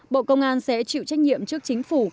bộ công an sẽ chịu trách nhiệm trước chính phủ